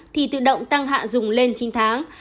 thì tự động tăng hạn dùng lên chín tháng